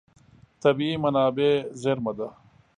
طبیعي منابع زېرمه ده.